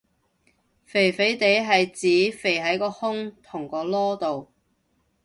肥肥哋係指肥喺個胸同個籮度